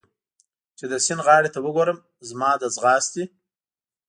چې د سیند غاړې ته وګورم، زما له ځغاستې.